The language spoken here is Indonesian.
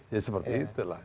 ya seperti itulah